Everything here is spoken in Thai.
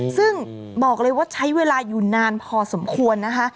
ซึ่งบอกเลยว่าใช้เวลาอยู่นานพอสมควรนะคะ